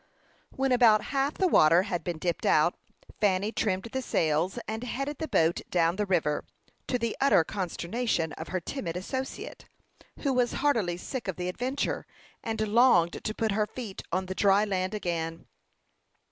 When about half the water had been dipped out, Fanny trimmed the sails, and headed the boat down the river, to the utter consternation of her timid associate, who was heartily sick of the adventure, and longed to put her feet on the dry land again.